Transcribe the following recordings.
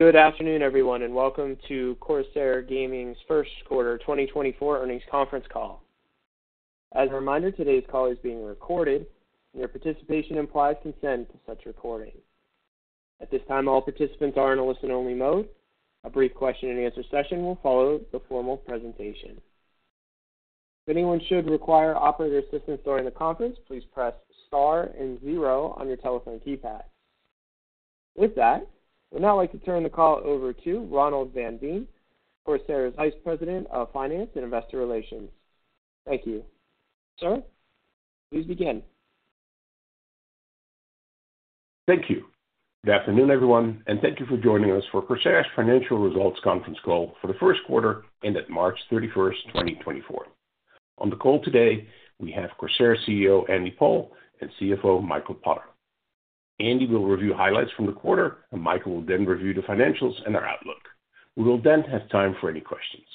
Good afternoon, everyone, and welcome to Corsair Gaming's First Quarter 2024 Earnings Conference Call. As a reminder, today's call is being recorded, and your participation implies consent to such recording. At this time, all participants are in a listen-only mode. A brief question-and-answer session will follow the formal presentation. If anyone should require operator assistance during the conference, please press star and zero on your telephone keypad. With that, I would now like to turn the call over to Ronald van Veen, Corsair's Vice President of Finance and Investor Relations. Thank you. Sir, please begin. Thank you. Good afternoon, everyone, and thank you for joining us for Corsair's financial results conference call for the first quarter ended March 31st, 2024. On the call today, we have Corsair CEO Andy Paul and CFO Michael Potter. Andy will review highlights from the quarter, and Michael will then review the financials and our outlook. We will then have time for any questions.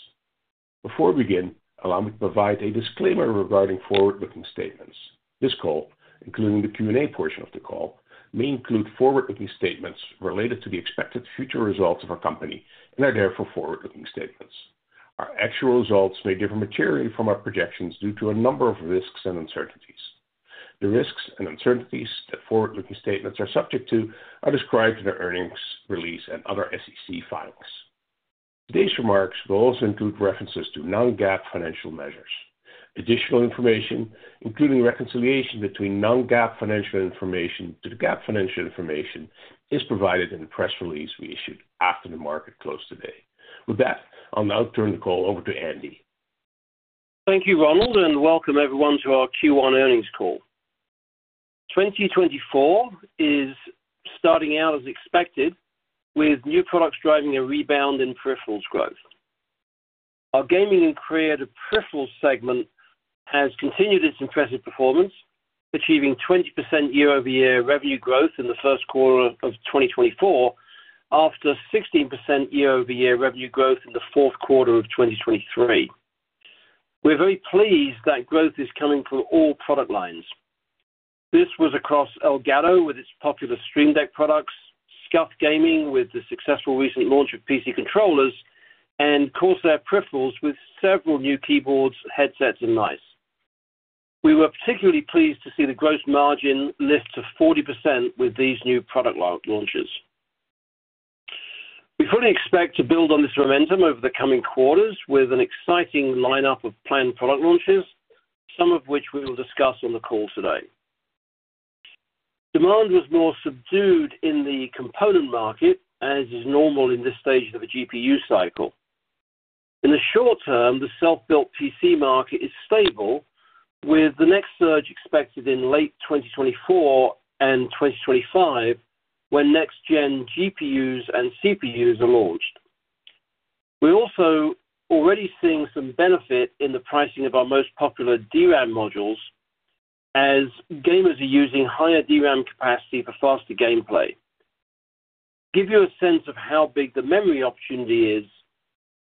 Before we begin, allow me to provide a disclaimer regarding forward-looking statements. This call, including the Q&A portion of the call, may include forward-looking statements related to the expected future results of our company and are therefore forward-looking statements. Our actual results may differ materially from our projections due to a number of risks and uncertainties. The risks and uncertainties that forward-looking statements are subject to are described in our earnings release and other SEC filings. Today's remarks will also include references to non-GAAP financial measures. Additional information, including reconciliation between non-GAAP financial information to the GAAP financial information, is provided in the press release we issued after the market closed today. With that, I'll now turn the call over to Andy. Thank you, Ronald, and welcome, everyone, to our Q1 earnings call. 2024 is starting out as expected, with new products driving a rebound in peripheral growth. Our gaming and creative peripheral segment has continued its impressive performance, achieving 20% year-over-year revenue growth in the first quarter of 2024 after 16% year-over-year revenue growth in the fourth quarter of 2023. We're very pleased that growth is coming from all product lines. This was across Elgato with its popular Stream Deck products, SCUF Gaming with the successful recent launch of PC controllers, and Corsair peripherals with several new keyboards, headsets, and mice. We were particularly pleased to see the gross margin lift to 40% with these new product launches. We fully expect to build on this momentum over the coming quarters with an exciting lineup of planned product launches, some of which we will discuss on the call today. Demand was more subdued in the component market, as is normal in this stage of a GPU cycle. In the short term, the self-built PC market is stable, with the next surge expected in late 2024 and 2025 when next-gen GPUs and CPUs are launched. We're also already seeing some benefit in the pricing of our most popular DRAM modules, as gamers are using higher DRAM capacity for faster gameplay. To give you a sense of how big the memory opportunity is,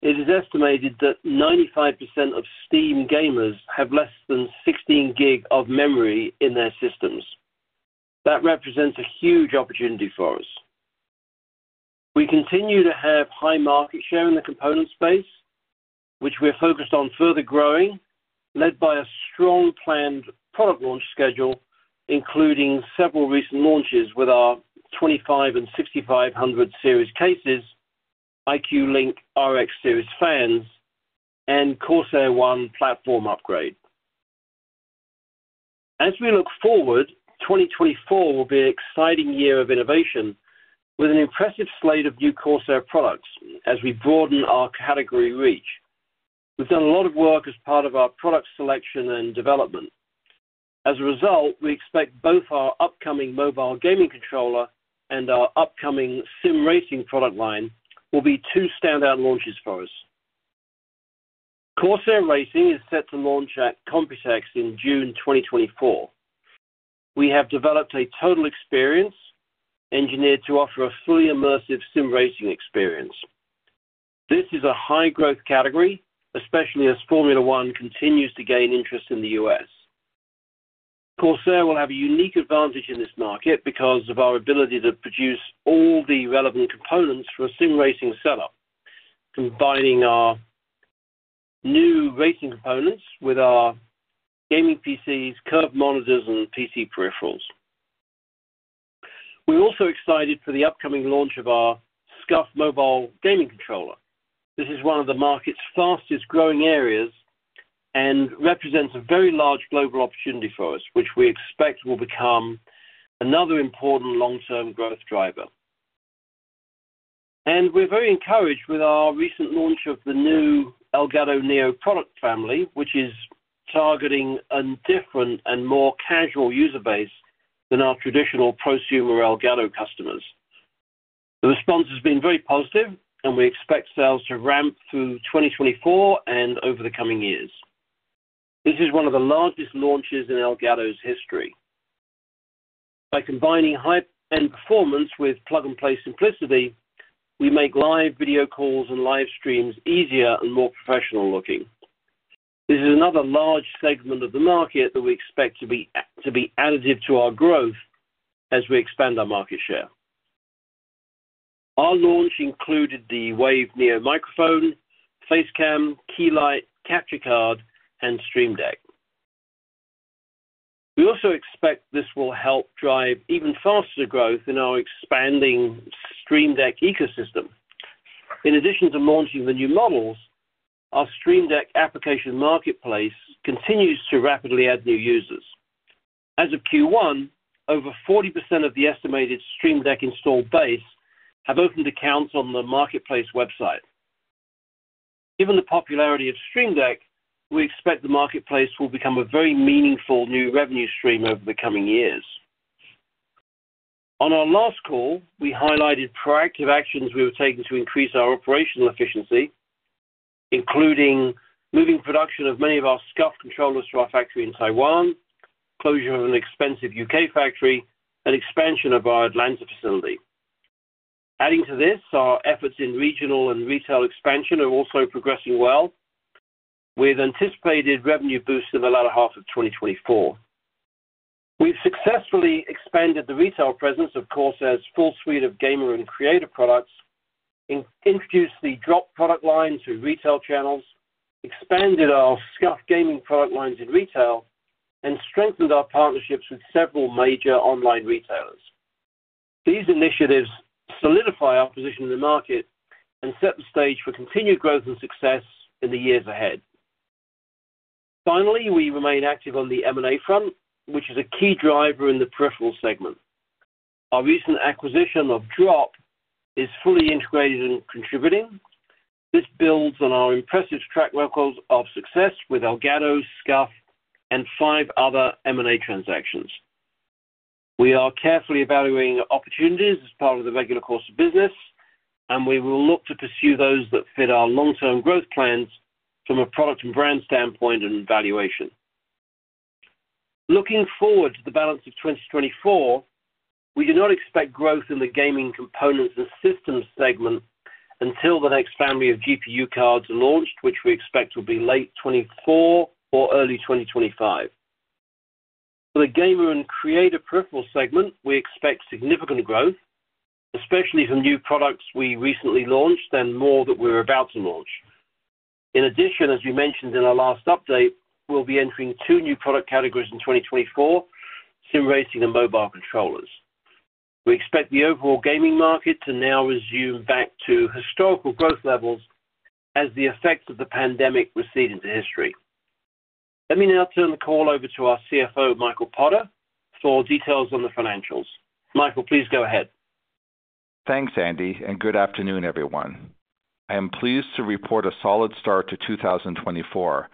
it is estimated that 95% of Steam gamers have less than 16 GB of memory in their systems. That represents a huge opportunity for us. We continue to have high market share in the component space, which we're focused on further growing, led by a strong planned product launch schedule, including several recent launches with our 2500 and 6500 series cases, iCUE LINK RX series fans, and Corsair One platform upgrade. As we look forward, 2024 will be an exciting year of innovation with an impressive slate of new Corsair products as we broaden our category reach. We've done a lot of work as part of our product selection and development. As a result, we expect both our upcoming mobile gaming controller and our upcoming sim racing product line will be two standout launches for us. Corsair Racing is set to launch at COMPUTEX in June 2024. We have developed a total experience engineered to offer a fully immersive sim racing experience. This is a high-growth category, especially as Formula 1 continues to gain interest in the U.S. Corsair will have a unique advantage in this market because of our ability to produce all the relevant components for a sim racing setup, combining our new racing components with our gaming PCs, curved monitors, and PC peripherals. We're also excited for the upcoming launch of our SCUF mobile gaming controller. This is one of the market's fastest-growing areas and represents a very large global opportunity for us, which we expect will become another important long-term growth driver. We're very encouraged with our recent launch of the new Elgato Neo product family, which is targeting a different and more casual user base than our traditional prosumer Elgato customers. The response has been very positive, and we expect sales to ramp through 2024 and over the coming years. This is one of the largest launches in Elgato's history. By combining hype and performance with plug-and-play simplicity, we make live video calls and live streams easier and more professional-looking. This is another large segment of the market that we expect to be additive to our growth as we expand our market share. Our launch included the Wave Neo microphone, Facecam, Key Light, capture card, and Stream Deck. We also expect this will help drive even faster growth in our expanding Stream Deck ecosystem. In addition to launching the new models, our Stream Deck application marketplace continues to rapidly add new users. As of Q1, over 40% of the estimated Stream Deck install base have opened accounts on the marketplace website. Given the popularity of Stream Deck, we expect the marketplace will become a very meaningful new revenue stream over the coming years. On our last call, we highlighted proactive actions we were taking to increase our operational efficiency, including moving production of many of our SCUF controllers to our factory in Taiwan, closure of an expensive U.K. factory, and expansion of our Atlanta facility. Adding to this, our efforts in regional and retail expansion are also progressing well, with anticipated revenue boosts in the latter half of 2024. We've successfully expanded the retail presence of Corsair's full suite of gamer and creator products, introduced the Drop product line through retail channels, expanded our SCUF gaming product lines in retail, and strengthened our partnerships with several major online retailers. These initiatives solidify our position in the market and set the stage for continued growth and success in the years ahead. Finally, we remain active on the M&A front, which is a key driver in the peripheral segment. Our recent acquisition of Drop is fully integrated and contributing. This builds on our impressive track records of success with Elgato, SCUF, and five other M&A transactions. We are carefully evaluating opportunities as part of the regular course of business, and we will look to pursue those that fit our long-term growth plans from a product and brand standpoint and valuation. Looking forward to the balance of 2024, we do not expect growth in the gaming components and systems segment until the next family of GPU cards are launched, which we expect will be late 2024 or early 2025. For the gamer and creator peripheral segment, we expect significant growth, especially from new products we recently launched and more that we're about to launch. In addition, as we mentioned in our last update, we'll be entering two new product categories in 2024: Sim Racing and mobile controllers. We expect the overall gaming market to now resume back to historical growth levels as the effects of the pandemic recede into history. Let me now turn the call over to our CFO, Michael Potter, for details on the financials. Michael, please go ahead. Thanks, Andy, and good afternoon, everyone. I am pleased to report a solid start to 2024,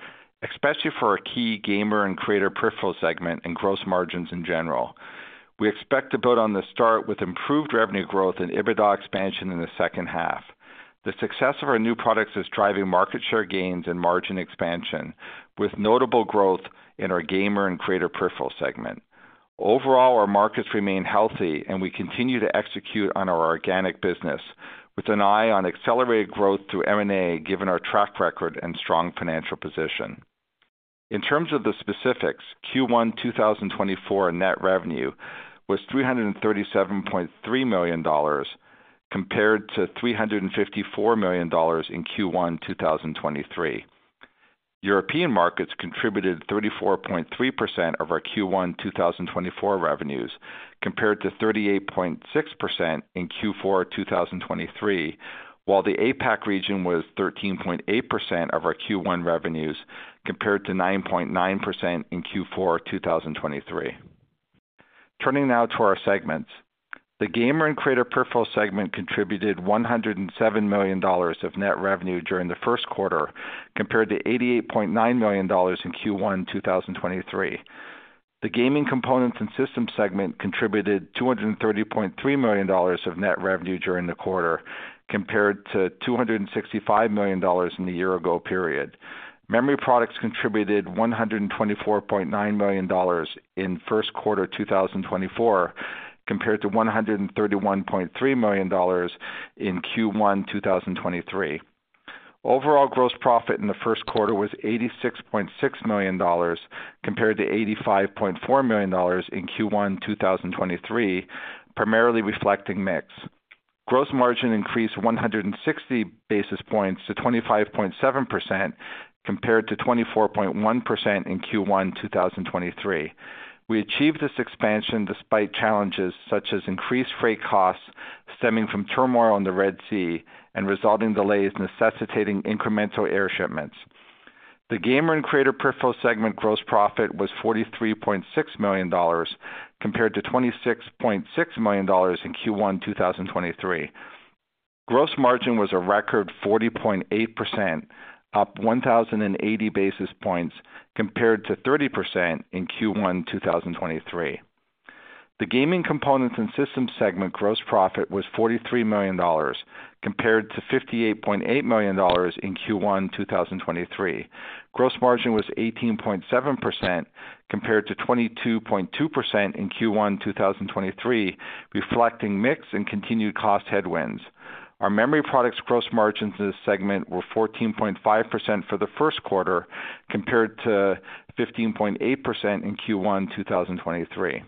especially for our key gamer and creator peripheral segment and gross margins in general. We expect to build on this start with improved revenue growth and EBITDA expansion in the second half. The success of our new products is driving market share gains and margin expansion, with notable growth in our gamer and creator peripheral segment. Overall, our markets remain healthy, and we continue to execute on our organic business with an eye on accelerated growth through M&A, given our track record and strong financial position. In terms of the specifics, Q1 2024 net revenue was $337.3 million compared to $354 million in Q1 2023. European markets contributed 34.3% of our Q1 2024 revenues compared to 38.6% in Q4 2023, while the APAC region was 13.8% of our Q1 revenues compared to 9.9% in Q4 2023. Turning now to our segments, the gamer and creator peripheral segment contributed $107 million of net revenue during the first quarter compared to $88.9 million in Q1 2023. The gaming components and systems segment contributed $230.3 million of net revenue during the quarter compared to $265 million in the year-ago period. Memory products contributed $124.9 million in first quarter 2024 compared to $131.3 million in Q1 2023. Overall gross profit in the first quarter was $86.6 million compared to $85.4 million in Q1 2023, primarily reflecting mix. Gross margin increased 160 basis points to 25.7% compared to 24.1% in Q1 2023. We achieved this expansion despite challenges such as increased freight costs stemming from turmoil in the Red Sea and resulting delays necessitating incremental air shipments. The gamer and creator peripheral segment gross profit was $43.6 million compared to $26.6 million in Q1 2023. Gross margin was a record 40.8%, up 1,080 basis points compared to 30% in Q1 2023. The gaming components and systems segment gross profit was $43 million compared to $58.8 million in Q1 2023. Gross margin was 18.7% compared to 22.2% in Q1 2023, reflecting mix and continued cost headwinds. Our memory products gross margins in this segment were 14.5% for the first quarter compared to 15.8% in Q1 2023.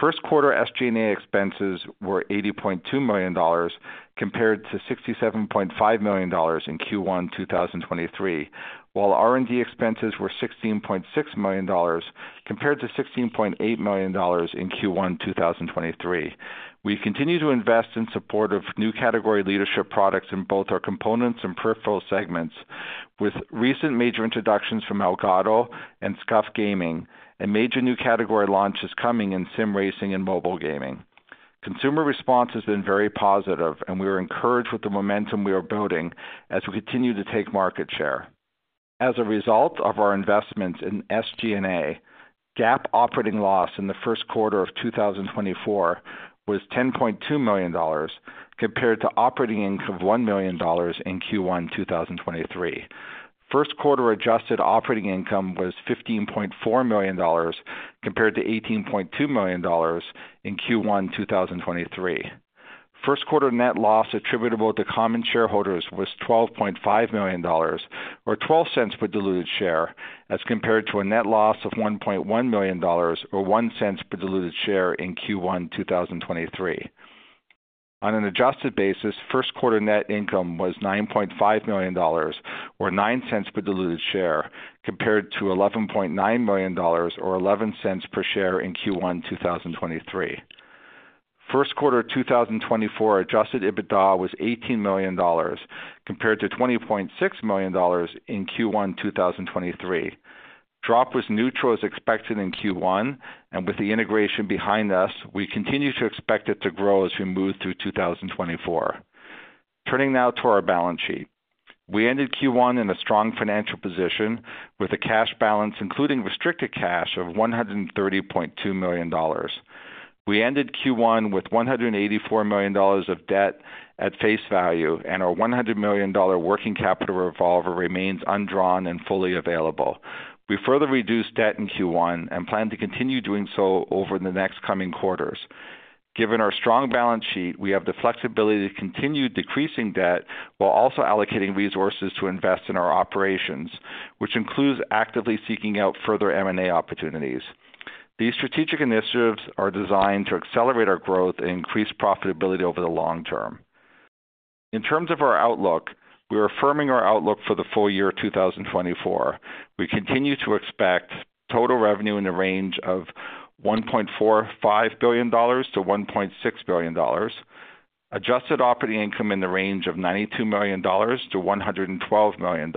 First quarter SG&A expenses were $80.2 million compared to $67.5 million in Q1 2023, while R&D expenses were $16.6 million compared to $16.8 million in Q1 2023. We continue to invest in support of new category leadership products in both our components and peripheral segments, with recent major introductions from Elgato and SCUF Gaming and major new category launches coming in Sim Racing and mobile gaming. Consumer response has been very positive, and we are encouraged with the momentum we are building as we continue to take market share. As a result of our investments in SG&A, GAAP operating loss in the first quarter of 2024 was $10.2 million compared to operating income of $1 million in Q1 2023. First quarter adjusted operating income was $15.4 million compared to $18.2 million in Q1 2023. First quarter net loss attributable to common shareholders was $12.5 million or $0.12 per diluted share as compared to a net loss of $1.1 million or $0.01 per diluted share in Q1 2023. On an adjusted basis, first quarter net income was $9.5 million or $0.09 per diluted share compared to $11.9 million or $0.11 per share in Q1 2023. First quarter 2024 adjusted EBITDA was $18 million compared to $20.6 million in Q1 2023. Drop was neutral as expected in Q1, and with the integration behind us, we continue to expect it to grow as we move through 2024. Turning now to our balance sheet, we ended Q1 in a strong financial position with a cash balance including restricted cash of $130.2 million. We ended Q1 with $184 million of debt at face value, and our $100 million working capital revolver remains undrawn and fully available. We further reduced debt in Q1 and plan to continue doing so over the next coming quarters. Given our strong balance sheet, we have the flexibility to continue decreasing debt while also allocating resources to invest in our operations, which includes actively seeking out further M&A opportunities. These strategic initiatives are designed to accelerate our growth and increase profitability over the long term. In terms of our outlook, we are affirming our outlook for the full year 2024. We continue to expect total revenue in the range of $1.45 billion-$1.6 billion, adjusted operating income in the range of $92 million-$112 million,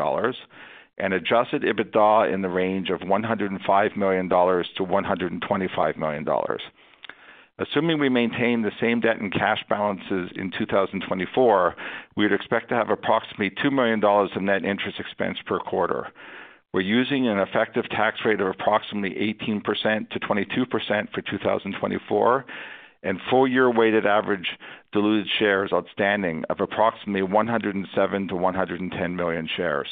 and adjusted EBITDA in the range of $105 million-$125 million. Assuming we maintain the same debt and cash balances in 2024, we would expect to have approximately $2 million of net interest expense per quarter. We're using an effective tax rate of approximately 18%-22% for 2024 and full-year weighted average diluted shares outstanding of approximately 107-110 million shares.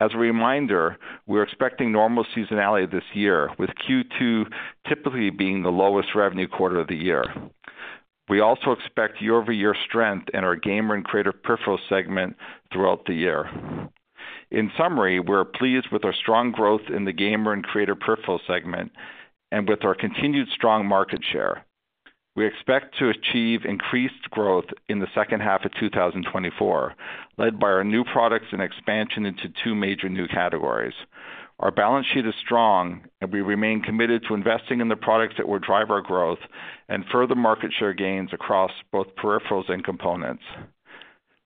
As a reminder, we're expecting normal seasonality this year, with Q2 typically being the lowest revenue quarter of the year. We also expect year-over-year strength in our gamer and creator peripheral segment throughout the year. In summary, we're pleased with our strong growth in the gamer and creator peripheral segment and with our continued strong market share. We expect to achieve increased growth in the second half of 2024, led by our new products and expansion into two major new categories. Our balance sheet is strong, and we remain committed to investing in the products that will drive our growth and further market share gains across both peripherals and components.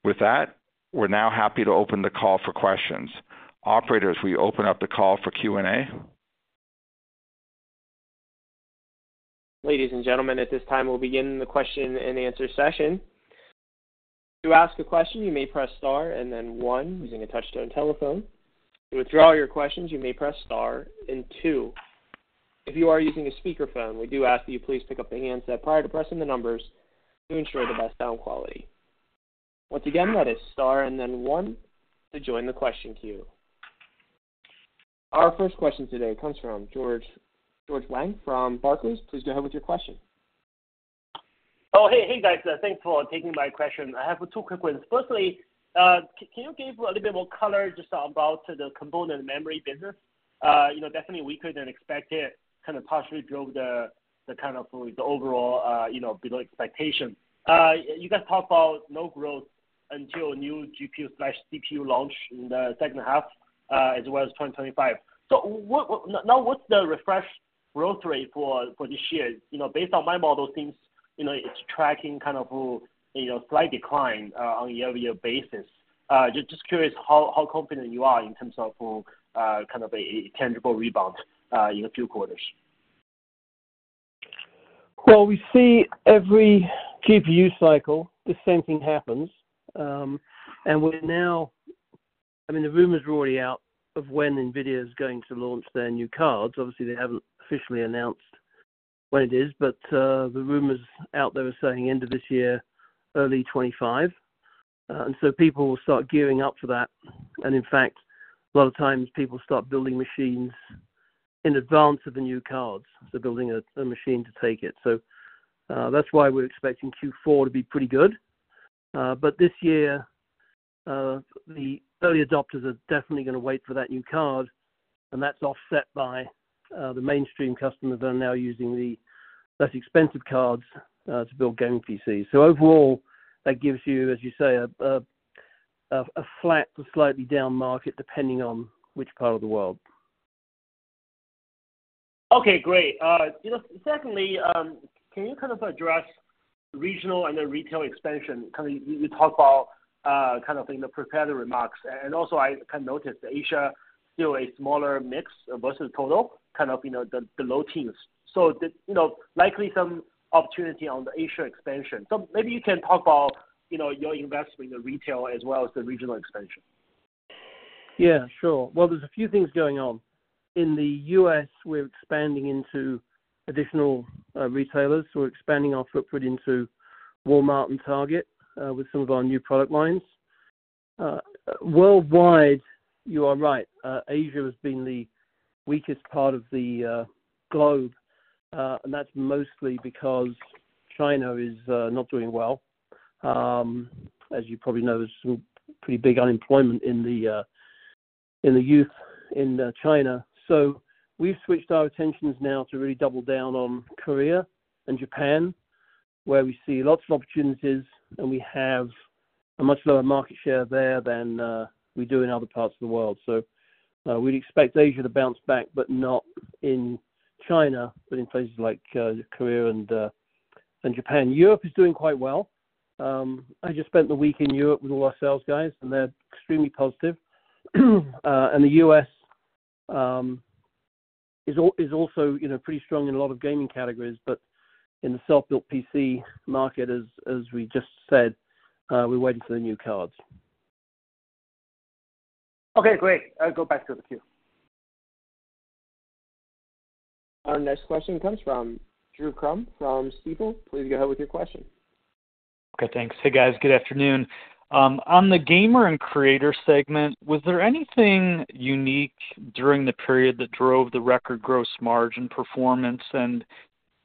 With that, we're now happy to open the call for questions. Operators, we open up the call for Q&A. Ladies and gentlemen, at this time, we'll begin the question and answer session. To ask a question, you may press star and then one using a touch-tone telephone. To withdraw your questions, you may press star and two. If you are using a speakerphone, we do ask that you please pick up the handset prior to pressing the numbers to ensure the best sound quality. Once again, that is star and then one to join the question queue. Our first question today comes from George Wang from Barclays. Please go ahead with your question. Hey, guys. Thanks for taking my question. I have two quick ones. Firstly, can you give a little bit more color just about the component memory business? Definitely, weaker than expected. Kind of partially drove the kind of overall below expectation. You guys talked about no growth until new GPU/CPU launch in the second half as well as 2025. So now, what's the refresh growth rate for this year? Based on my model, it seems it's tracking kind of a slight decline on a year-over-year basis. Just curious how confident you are in terms of kind of a tangible rebound in a few quarters. Well, we see every GPU cycle, the same thing happens. And I mean, the rumors are already out of when NVIDIA is going to launch their new cards. Obviously, they haven't officially announced when it is, but the rumors out there are saying end of this year, early 2025. And so people will start gearing up for that. And in fact, a lot of times, people start building machines in advance of the new cards. They're building a machine to take it. So that's why we're expecting Q4 to be pretty good. But this year, the early adopters are definitely going to wait for that new card, and that's offset by the mainstream customers that are now using the less expensive cards to build gaming PCs. So overall, that gives you, as you say, a flat to slightly down market depending on which part of the world. Okay, great. Secondly, can you kind of address regional and then retail expansion? Kind of you talked about kind of in the prepared remarks. And also, I kind of noticed Asia still a smaller mix versus total, kind of the low teens. So likely some opportunity on the Asia expansion. So maybe you can talk about your investment in the retail as well as the regional expansion. Yeah, sure. Well, there's a few things going on. In the U.S., we're expanding into additional retailers. We're expanding our footprint into Walmart and Target with some of our new product lines. Worldwide, you are right. Asia has been the weakest part of the globe, and that's mostly because China is not doing well. As you probably know, there's some pretty big unemployment in the youth in China. So we've switched our attentions now to really double down on Korea and Japan, where we see lots of opportunities, and we have a much lower market share there than we do in other parts of the world. So we'd expect Asia to bounce back, but not in China, but in places like Korea and Japan. Europe is doing quite well. I just spent the week in Europe with all our sales guys, and they're extremely positive. The U.S. is also pretty strong in a lot of gaming categories, but in the self-built PC market, as we just said, we're waiting for the new cards. Okay, great. I'll go back to the queue. Our next question comes from Drew Crum from Stifel. Please go ahead with your question. Okay, thanks. Hey, guys. Good afternoon. On the gamer and creator segment, was there anything unique during the period that drove the record gross margin performance? And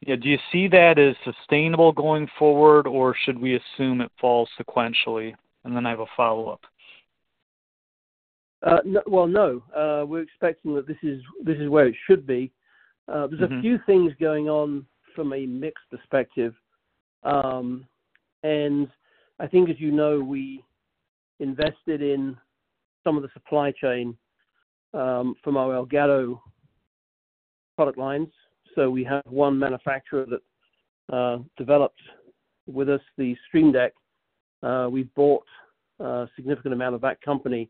do you see that as sustainable going forward, or should we assume it falls sequentially? And then I have a follow-up. Well, no. We're expecting that this is where it should be. There's a few things going on from a mixed perspective. And I think, as you know, we invested in some of the supply chain from our Elgato product lines. So we have one manufacturer that developed with us the Stream Deck. We bought a significant amount of that company,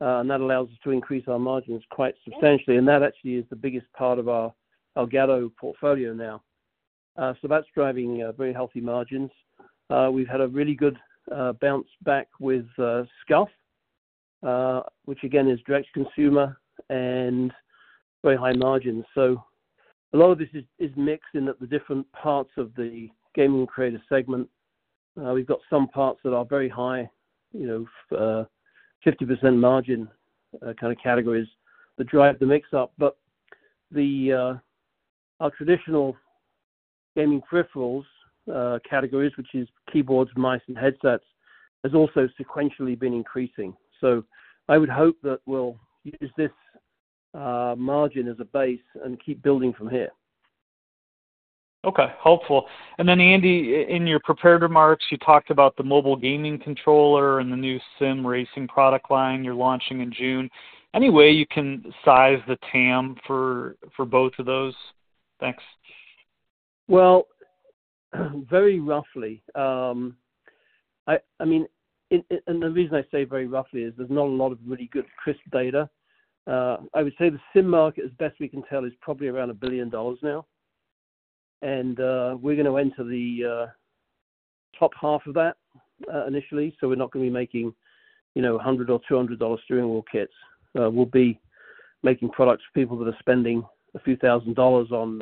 and that allows us to increase our margins quite substantially. And that actually is the biggest part of our Elgato portfolio now. So that's driving very healthy margins. We've had a really good bounce back with SCUF, which again is direct to consumer and very high margins. So a lot of this is mixed in that the different parts of the gaming and creator segment, we've got some parts that are very high, 50% margin kind of categories that drive the mix up. But our traditional gaming peripherals categories, which is keyboards, mice, and headsets, has also sequentially been increasing. So I would hope that we'll use this margin as a base and keep building from here. Okay, hopeful. Then, Andy, in your prepared remarks, you talked about the mobile gaming controller and the new sim racing product line you're launching in June. Any way you can size the TAM for both of those? Thanks. Well, very roughly. I mean, and the reason I say very roughly is there's not a lot of really good crisp data. I would say the sim market, as best we can tell, is probably around $1 billion now. And we're going to enter the top half of that initially. So we're not going to be making $100 or $200 during all kits. We'll be making products for people that are spending a few thousand dollars on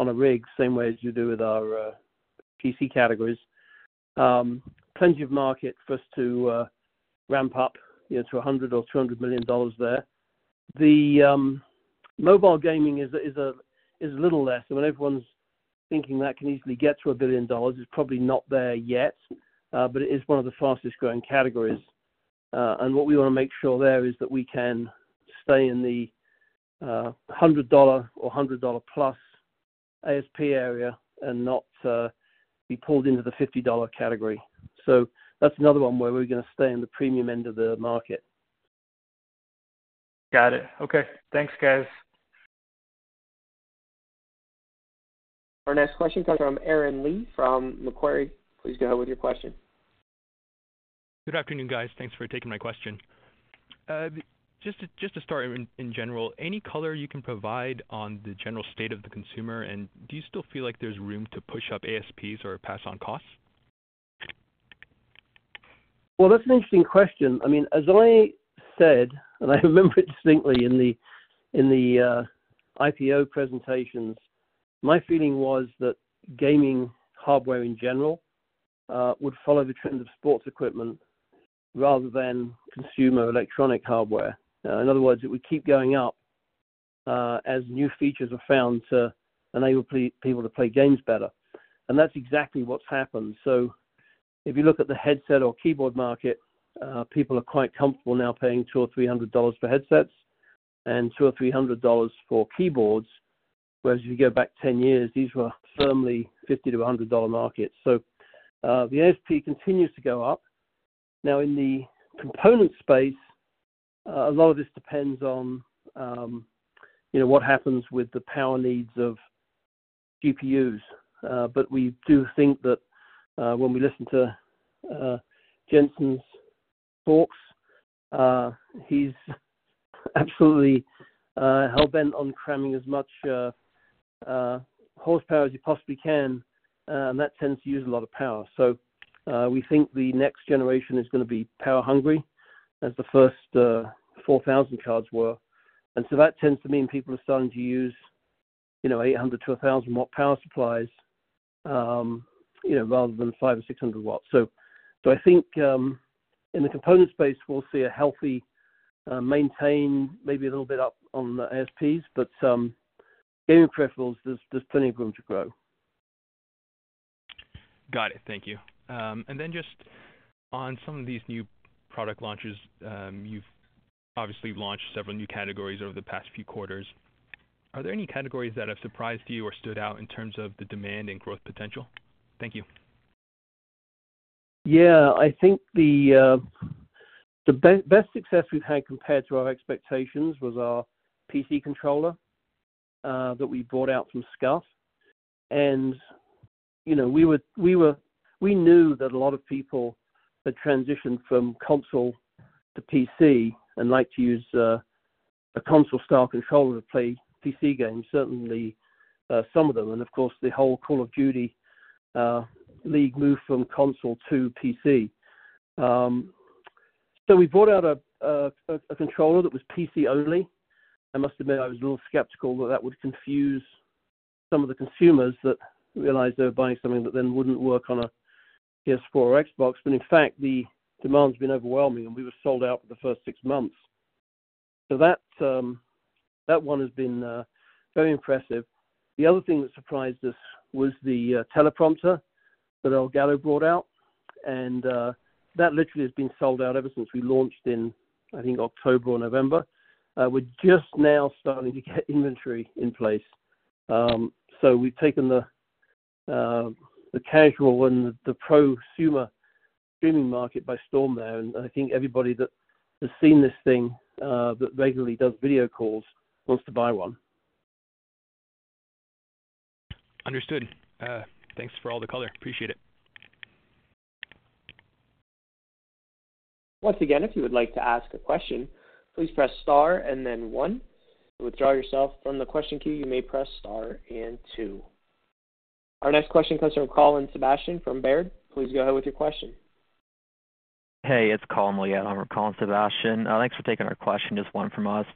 a rig, same way as you do with our PC categories. Plenty of market for us to ramp up to $100 million or $200 million there. The mobile gaming is a little less. And when everyone's thinking that can easily get to $1 billion, it's probably not there yet, but it is one of the fastest-growing categories. What we want to make sure there is that we can stay in the $100 or $100-plus ASP area and not be pulled into the $50 category. That's another one where we're going to stay in the premium end of the market. Got it. Okay. Thanks, guys. Our next question comes from Aaron Lee from Macquarie. Please go ahead with your question. Good afternoon, guys. Thanks for taking my question. Just to start in general, any color you can provide on the general state of the consumer? And do you still feel like there's room to push up ASPs or pass on costs? Well, that's an interesting question. I mean, as I said, and I remember it distinctly in the IPO presentations, my feeling was that gaming hardware in general would follow the trend of sports equipment rather than consumer electronic hardware. In other words, it would keep going up as new features are found to enable people to play games better. And that's exactly what's happened. So if you look at the headset or keyboard market, people are quite comfortable now paying $200-$300 for headsets and $200-$300 for keyboards, whereas if you go back 10 years, these were firmly $50-$100 markets. So the ASP continues to go up. Now, in the component space, a lot of this depends on what happens with the power needs of GPUs. We do think that when we listen to Jensen's talks, he's absolutely hellbent on cramming as much horsepower as he possibly can. That tends to use a lot of power. We think the next generation is going to be power-hungry, as the first 4,000 cards were. That tends to mean people are starting to use 800-watt to 1,000-watt power supplies rather than five or 600 watts. Do I think in the component space, we'll see a healthy, maintained, maybe a little bit up on the ASPs, but gaming peripherals, there's plenty of room to grow. Got it. Thank you. And then just on some of these new product launches, you've obviously launched several new categories over the past few quarters. Are there any categories that have surprised you or stood out in terms of the demand and growth potential? Thank you. Yeah. I think the best success we've had compared to our expectations was our PC controller that we brought out from SCUF. We knew that a lot of people had transitioned from console to PC and like to use a console-style controller to play PC games, certainly some of them. Of course, the whole Call of Duty League moved from console to PC. So we brought out a controller that was PC-only. I must admit, I was a little skeptical that that would confuse some of the consumers that realized they were buying something that then wouldn't work on a PS4 or Xbox. But in fact, the demand's been overwhelming, and we were sold out for the first six months. So that one has been very impressive. The other thing that surprised us was the teleprompter that Elgato brought out. That literally has been sold out ever since we launched in, I think, October or November. We're just now starting to get inventory in place. We've taken the casual and the prosumer streaming market by storm there. And I think everybody that has seen this thing that regularly does video calls wants to buy one. Understood. Thanks for all the color. Appreciate it. Once again, if you would like to ask a question, please press star and then one. To withdraw yourself from the question queue, you may press star and two. Our next question comes from Colin Sebastian from Baird. Please go ahead with your question. Hey, it's Colin Sebastian. I'm from Baird. Thanks for taking our question, just one from us.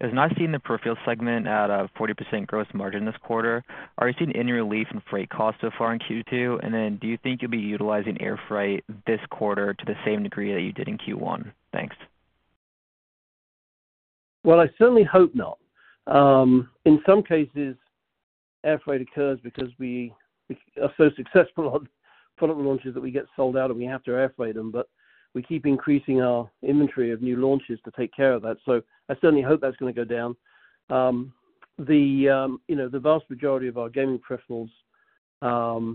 It was nice seeing the peripheral segment at a 40% gross margin this quarter. Are you seeing any relief in freight costs so far in Q2? And then do you think you'll be utilizing air freight this quarter to the same degree that you did in Q1? Thanks. Well, I certainly hope not. In some cases, air freight occurs because we are so successful on product launches that we get sold out and we have to air freight them. But we keep increasing our inventory of new launches to take care of that. So I certainly hope that's going to go down. The vast majority of our gaming peripherals are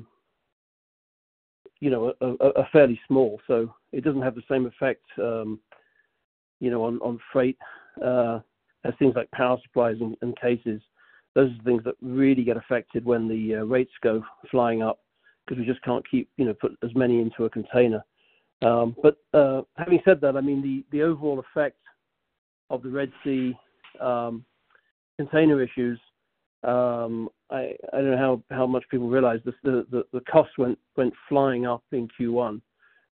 fairly small. So it doesn't have the same effect on freight as things like power supplies and cases. Those are the things that really get affected when the rates go flying up because we just can't keep putting as many into a container. But having said that, I mean, the overall effect of the Red Sea container issues, I don't know how much people realize the costs went flying up in Q1.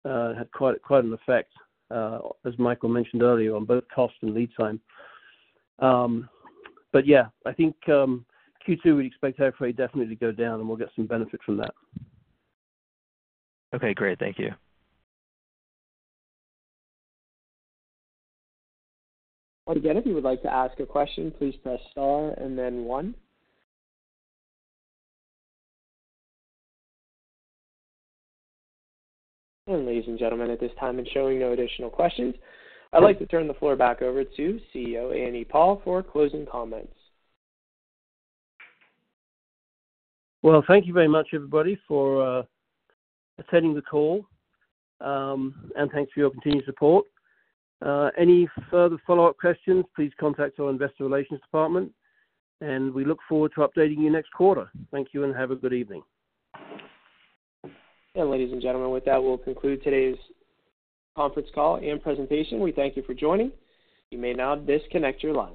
It had quite an effect, as Michael mentioned earlier, on both cost and lead time. But yeah, I think Q2, we'd expect air freight definitely to go down, and we'll get some benefit from that. Okay, great. Thank you. Again, if you would like to ask a question, please press star and then one. And ladies and gentlemen, at this time, I'm showing no additional questions. I'd like to turn the floor back over to CEO Andy Paul for closing comments. Well, thank you very much, everybody, for attending the call. Thanks for your continued support. Any further follow-up questions, please contact our investor relations department. We look forward to updating you next quarter. Thank you and have a good evening. Ladies and gentlemen, with that, we'll conclude today's conference call and presentation. We thank you for joining. You may now disconnect your line.